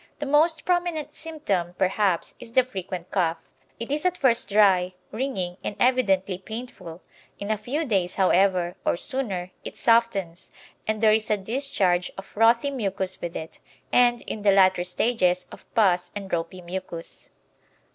The most prominent symptom, perhaps, is the frequent cough. It is at first dry, ringing, and evidently painful; in a few days, however, or sooner, it softens, and there is a discharge of frothy mucus with it, and, in the latter stages, of pus and ropy mucus.